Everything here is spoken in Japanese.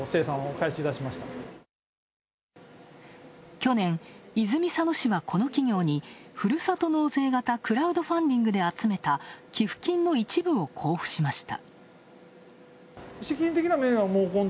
去年、泉佐野市は、この企業にふるさと納税型クラウドファンディングで集めた寄付金の一部を交付しました。